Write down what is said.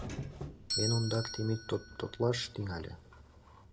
Эн ондак Темит тототлаш тӱҥале: